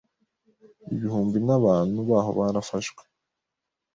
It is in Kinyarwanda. Ibihumbi n’abantu baho barafashwe.